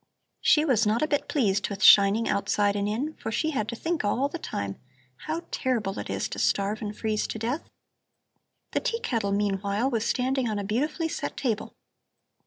She was not a bit pleased with shining outside and in, for she had to think all the time: how terrible it is to starve and freeze to death. "The tea kettle meanwhile was standing on a beautifully set table.